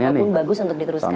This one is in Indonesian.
ataupun bagus untuk diteruskan